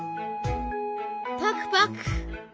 パクパク。